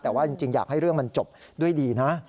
แต่ว่าจริงอยากให้เรื่องมันจบด้วยดีนะ